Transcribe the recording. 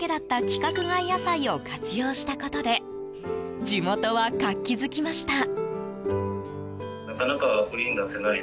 規格外野菜を活用したことで地元は活気づきました。